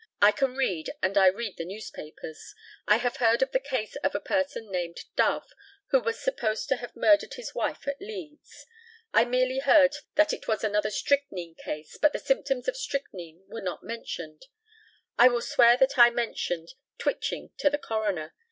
I can read, and I read the newspapers. I have heard of the case of a person named Dove, who was supposed to have murdered his wife at Leeds. I merely heard that it was another strychnine case, but the symptoms of strychnine were not mentioned. I will swear that I mentioned "twitching" to the coroner.